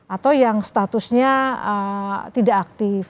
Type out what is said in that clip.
atau yang statusnya tidak aktif